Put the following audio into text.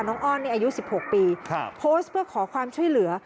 อ้อนอายุ๑๖ปีโพสต์เพื่อขอความช่วยเหลือ